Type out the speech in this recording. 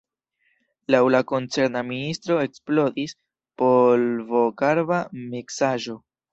Laŭ la koncerna ministro eksplodis polvokarba miksaĵo.